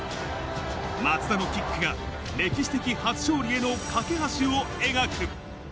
松田のキックが歴史的初勝利への架け橋を描く。